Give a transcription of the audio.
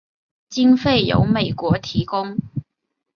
经费由美国供给。